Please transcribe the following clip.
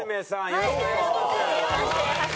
よろしくお願いします。